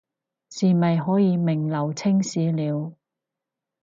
是咪可以名留青史了